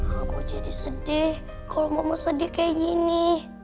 aku jadi sedih kalau mama sedih kayak gini